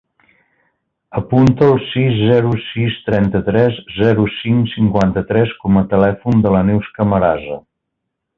Apunta el sis, zero, sis, trenta-tres, zero, cinc, cinquanta-tres com a telèfon de la Neus Camarasa.